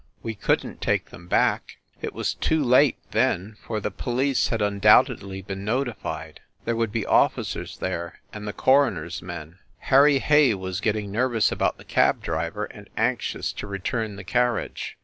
We couldn t take them back; it was too late, then, for the police had un doubtedly been notified there would be officers there, and the coroner s men. Harry Hay was get ting nervous about the cab driver, and anxious to return the carriage.